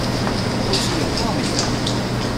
都是有道理的